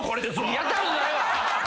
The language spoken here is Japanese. やったことないわ！